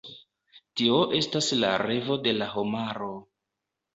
Tio estas la revo de la homaro.